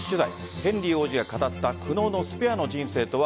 ヘンリー王子が語った苦悩のスペアの人生とは。